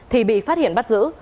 thì bị phát hiện bắt giữ